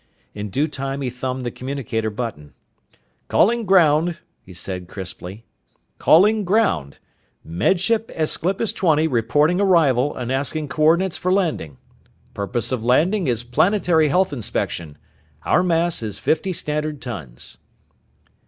In due time he thumbed the communicator button. "Calling ground," he said crisply. "Calling ground! Med Ship Aesclipus Twenty reporting arrival and asking coordinates for landing. Purpose of landing is planetary health inspection. Our mass is fifty standard tons."